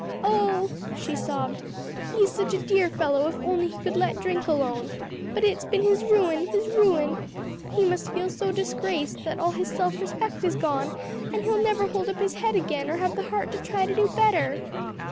"Oh," she sobbed, "he is such a dear fellow if only he could let drink alone! but it's been his ruin, his ruin! He must feel so disgraced that all his self respect is gone and he'll never hold up his head again or have the heart to try to do better."